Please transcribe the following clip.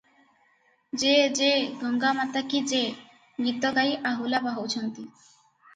'ଜେ ଜେ-ଗଙ୍ଗାମାତା କି ଜେ' ଗୀତ ଗାଇ ଆହୁଲା ବାହୁଛନ୍ତି ।